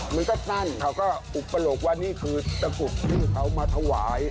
มันก็นั่นเขาก็อุปโลกว่านี่คือตะกรุดที่เขามาถวาย